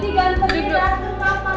digantung di atur papa